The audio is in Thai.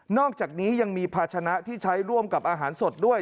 อกจากนี้ยังมีภาชนะที่ใช้ร่วมกับอาหารสดด้วย